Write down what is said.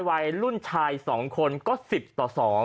วัยรุ่นชาย๒คนก็๑๐ต่อ๒